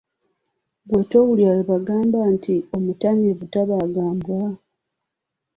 Ggwe towulira bwe bagamba nti, omutamiivu tabaaga mbwa?